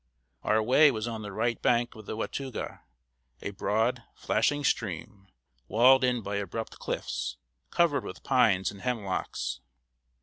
Our way was on the right bank of the Watauga, a broad, flashing stream, walled in by abrupt cliffs, covered with pines and hemlocks.